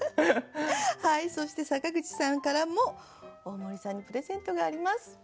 はいそして坂口さんからも大森さんにプレゼントがあります。